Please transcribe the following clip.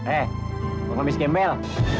eh lu ngabis gembel